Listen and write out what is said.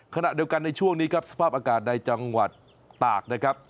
ขณะเดียวกันในช่วงนี้ครับสภาพอากาศในจังหวัดตากนะครับ